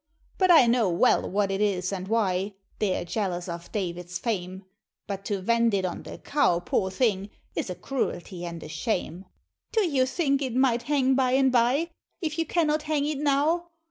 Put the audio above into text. But I know well what it is, and why they're jealous of David's fame, But to vent it on the Cow, poor thing, is a cruelty and a shame, Do you think it might hang by and by, if you cannot hang it now?